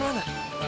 yang masih keren sih